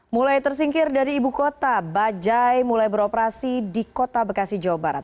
mulai tersingkir dari ibu kota bajai mulai beroperasi di kota bekasi jawa barat